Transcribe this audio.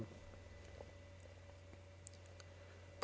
PROP.